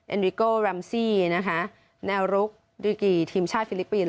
ริโก้แรมซี่นะคะแนวรุกดริกีทีมชาติฟิลิปปินส